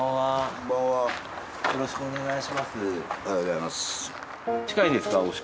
おはようございます。